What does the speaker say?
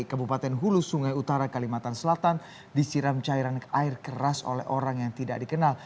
kabupaten hulu sungai utara kalimantan selatan disiram cairan air keras oleh orang yang tidak dikenal